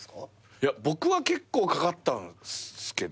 いや僕は結構かかったんすけど。